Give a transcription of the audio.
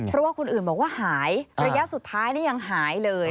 เพราะว่าคนอื่นบอกว่าหายระยะสุดท้ายนี่ยังหายเลย